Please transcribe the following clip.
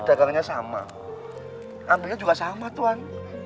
tadi saya duluan